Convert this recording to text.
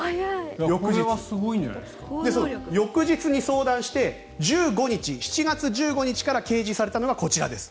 翌日に相談して７月１５日から掲示されたのがこちらです。